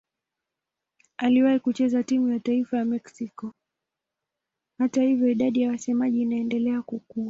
Hata hivyo idadi ya wasemaji inaendelea kukua.